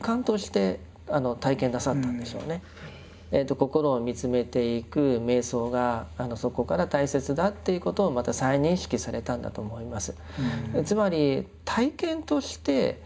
心を見つめていく瞑想がそこから大切だっていうことをまた再認識されたんだと思います。